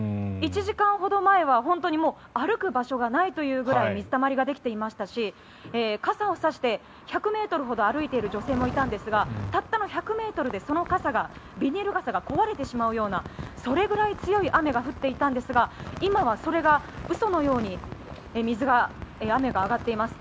１時間ほど前は歩く場所がないというくらい水たまりができていましたし傘を差して１００ｍほど歩いている女性もいたんですがたったの１００ｍでそのビニール傘が壊れてしまうようなそれぐらい強い雨が降っていたんですが今はそれが嘘のように雨が上がっています。